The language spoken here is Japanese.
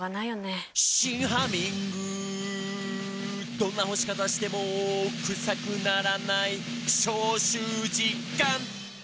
「どんな干し方してもクサくならない」「消臭実感！」